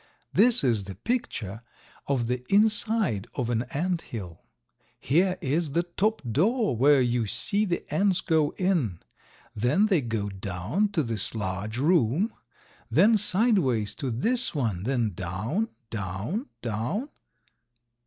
"This is the picture of the inside of an ant hill. Here is the top door where you see the ants go in, then they go down to this large room, then sideways to this one, then down, down, down."